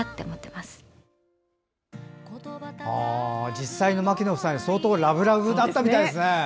実際の牧野夫妻って相当ラブラブだったんですね。